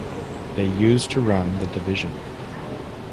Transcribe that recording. The used to run the division.